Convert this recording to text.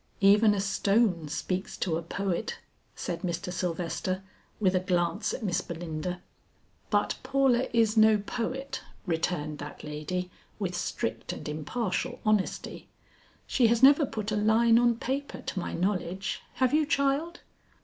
"Even a stone speaks to a poet," said Mr. Sylvester with a glance at Miss Belinda. "But Paula is no poet," returned that lady with strict and impartial honesty. "She has never put a line on paper to my knowledge. Have you child?"